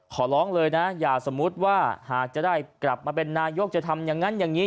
ขอร้องเลยนะอย่าสมมุติว่าหากจะได้กลับมาเป็นนายกจะทำอย่างนั้นอย่างนี้